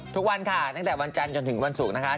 ทุกวันค่ะตั้งแต่วันจันทร์จนถึงวันศุกร์นะคะ